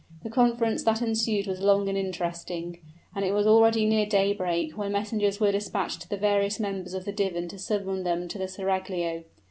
The conference that ensued was long and interesting, and it was already near daybreak when messengers were dispatched to the various members of the divan to summon them to the seraglio.